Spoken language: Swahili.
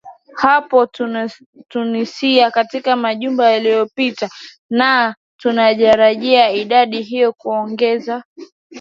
hapo tunisia katika majumaa yaliopita naa tunatarajia idadi hiyo kuongezea